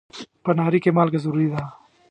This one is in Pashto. په ناري کې مالګه ضروري ده.